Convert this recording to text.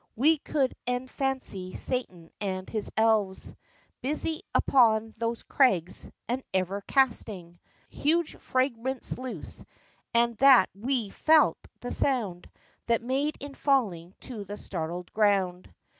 We could e'en fancy Satan and his elves Busy upon those crags, and ever casting Huge fragments loose, and that we felt the sound They made in falling to the startled ground.